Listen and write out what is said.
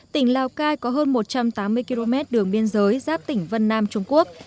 tỉnh lào cai có hơn một trăm tám mươi km đường biên giới giáp tỉnh vân nam trung quốc